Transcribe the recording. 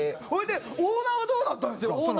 それでオーナーはどうなったんですか？